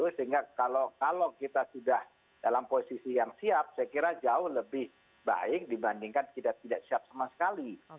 sehingga kalau kita sudah dalam posisi yang siap saya kira jauh lebih baik dibandingkan kita tidak siap sama sekali